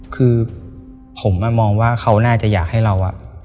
คือผมมองว่าเขาน่าจะอยากให้เรา